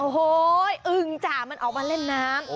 โอ้โหอึงจ้ะมันออกมาเล่นน้ำ